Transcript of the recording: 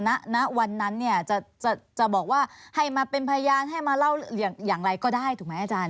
ณวันนั้นเนี่ยจะบอกว่าให้มาเป็นพยานให้มาเล่าอย่างไรก็ได้ถูกไหมอาจารย์